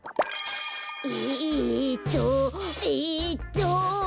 えっとえっと。